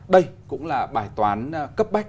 đây cũng là bài toán cấp bách